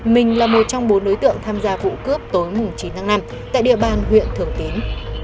mình là một trong bốn đối tượng tham gia vụ cướp tối chín tháng năm tại địa bàn huyện thường tín